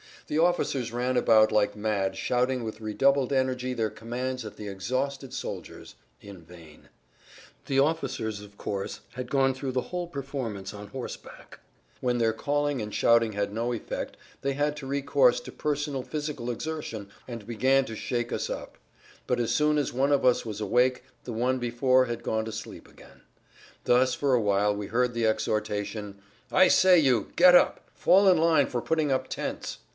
The officers ran about like mad shouting with redoubled energy their commands at the exhausted soldiers; in vain. The officers,[Pg 31] of course had gone through the whole performance on horseback and, apparently, did not feel sufficiently tired to go to sleep. When their calling and shouting had no effect they had to recourse to personal physical exertion and began to shake us up. But as soon as one of us was awake the one before had gone to sleep again. Thus for a while we heard the exhortation, "I say, you! Get up! Fall in line for putting up tents!"